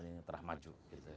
yang terah maju